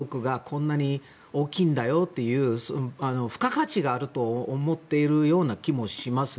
自分たちの影響力がこんなに大きいんだよという付加価値があると思っているような気もしますね。